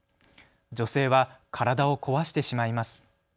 女性は体を壊してしまいます。